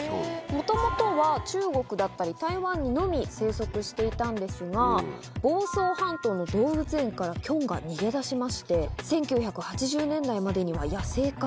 もともとは中国だったり、台湾にのみ生息していたんですが、房総半島の動物園からキョンが逃げ出しまして、１９８０年代までには野生化。